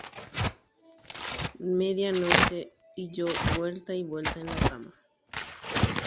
Pyharepytéma ha che ajere ha ajere tupápe